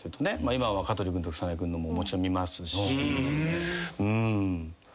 今は香取君と草君のももちろん見ますし。